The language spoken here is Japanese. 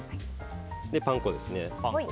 パン粉ですね。